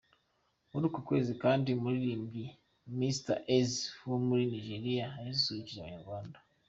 Muri uko kwezi kandi umuririmbyi Mr Eazi wo muri Nigeria yasusurukije Abanyarwanda.